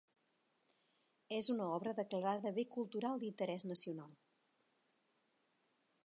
És una obra declarada bé cultural d'interès nacional.